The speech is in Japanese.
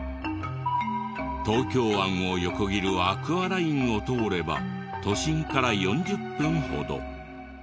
東京湾を横切るアクアラインを通れば都心から４０分ほど。